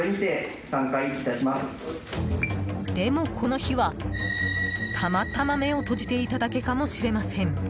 でも、この日はたまたま目を閉じていただけかもしれません。